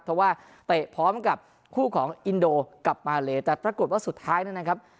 เพราะว่าเตะพร้อมกับคู่ของอินโดกับมาเลแต่ปรากฏว่าสุดท้ายนะครับ